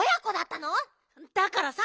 だからさ